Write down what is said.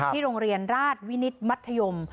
โรงเรียนราชวินิตมัธยม